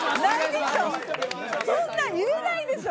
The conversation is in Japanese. そんなん言えないでしょ